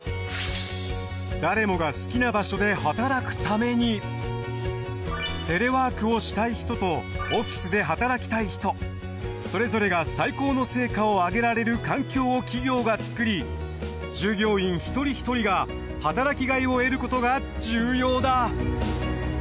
誰もが好きな場所で働くためにテレワークをしたい人とオフィスで働きたい人それぞれが最高の成果を挙げられる環境を企業が作り従業員一人ひとりが働きがいを得ることが重要だ。